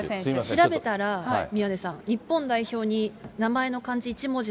調べたら、宮根さん、日本代表に名前の漢字